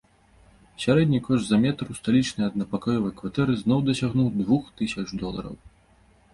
Сярэдні кошт за метр у сталічнай аднапакаёвай кватэры зноў дасягнуў двух тысяч долараў.